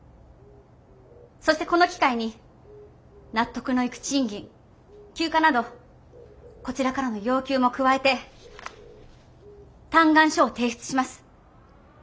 そしてこの機会に納得のいく賃金休暇などこちらからの要求も加えて嘆願書を提出します。